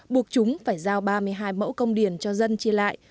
buộc chúng phải giao ba mươi hai mẫu công điền cho dân chia lại